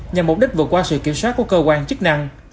nhằm mục đích vượt qua sự kiểm soát của cơ quan chức năng